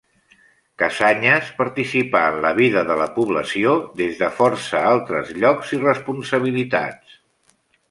Cassanyes participà en la vida de la població des de força altres llocs i responsabilitats.